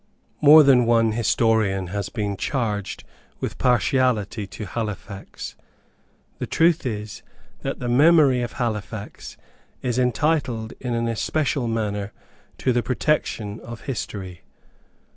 More than one historian has been charged with partiality to Halifax. The truth is that the memory of Halifax is entitled in an especial manner to the protection of history.